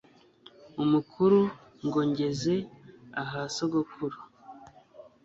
umukuru ngo ngeze aha sogokuru